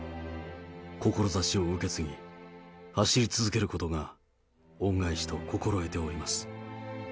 志を受け継ぎ、走り続けることが恩返しと心得ております。